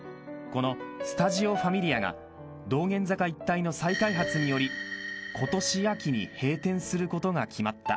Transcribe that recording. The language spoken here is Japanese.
このスタジオファミリアが道玄坂一帯の再開発により今年秋に閉店することが決まった］